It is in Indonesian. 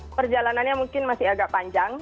perjalanannya mungkin masih agak panjang